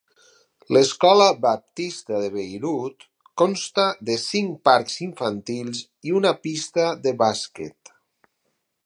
L'escola Baptista de Beirut consta de cinc parcs infantils i una pista de bàsquet.